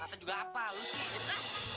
lu kata juga apa lu sih